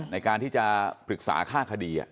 ในการที่จะปรึกษาค่าคดี